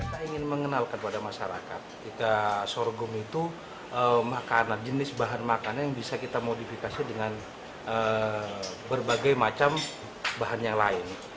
saya ingin mengenalkan kepada masyarakat jika sorghum itu makanan jenis bahan makanan yang bisa kita modifikasi dengan berbagai macam bahan yang lain